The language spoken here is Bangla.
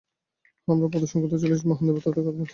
হ্যাঁ, আমরা প্রদর্শন করতে চলেছি মহান দেবতাদের ক্ষমতা।